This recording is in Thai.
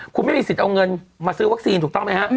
คุณไม่มีสิทธิ์เอาเงินมาซื้อวัคซีนถูกต้องไหมฮะ